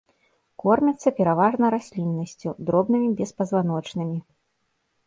Кормяцца пераважна расліннасцю, дробнымі беспазваночнымі.